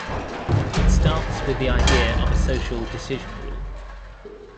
It starts with the idea of a social decision rule.